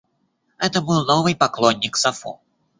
Это был новый поклонник Сафо.